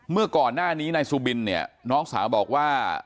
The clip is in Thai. เมื่อก่อนหน้านี้นายสุบินเนี่ยน้องสาวบอกว่า